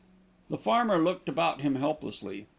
The farmer looked about him helplessly.